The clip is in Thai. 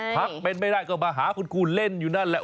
พักเป็นไม่ได้ก็มาหาคุณครูเล่นอยู่นั่นแหละ